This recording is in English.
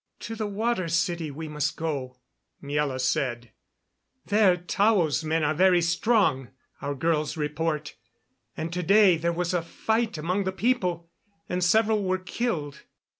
"To the Water City we must go," Miela said. "There Tao's men are very strong, our girls report. And to day there was a fight among the people, and several were killed."